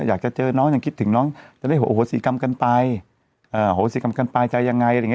อยากจะเจอน้องอย่างคิดถึงน้องจะได้โหสีกรรมกันไปโหสีกรรมกันไปจะยังไง